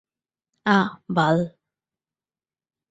আঃ, বাল।